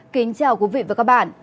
kính chào quý vị và các bạn